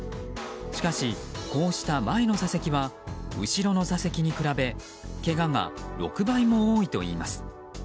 しかし、こうした前の座席は後ろの座席に比べけがが６倍も多いといいます。